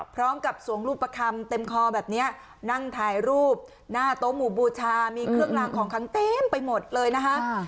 พร้อมกับสวงรูปประคำเต็มคอแบบนี้นั่งถ่ายรูปหน้าโต๊ะหมู่บูชามีเครื่องลางของขังเต็มไปหมดเลยนะคะ